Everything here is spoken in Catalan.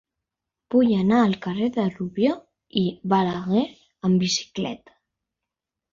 Vull anar al carrer de Rubió i Balaguer amb bicicleta.